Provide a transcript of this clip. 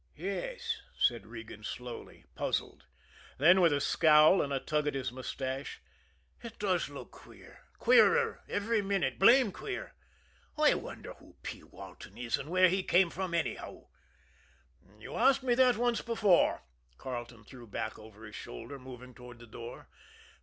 "Yes," said Regan slowly, puzzled; then, with a scowl and a tug at his mustache: "It does look queer, queerer every minute blamed queer! I wonder who P. Walton is, and where he came from anyhow?" "You asked me that once before," Carleton threw back over his shoulder, moving toward the door.